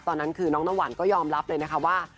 ตอนนั้นคือน้องน้ำหวานก็ยอมรับเลยนะคะว่า